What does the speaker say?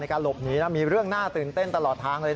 อันดับสุดท้ายก็คืออันดับสุดท้าย